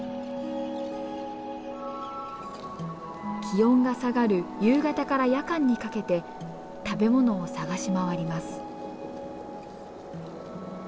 気温が下がる夕方から夜間にかけて食べ物を探し回ります。